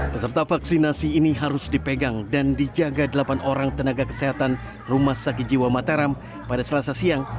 peserta vaksinasi ini harus dipegang dan dijaga delapan orang tenaga kesehatan rumah sakit jiwa mataram pada selasa siang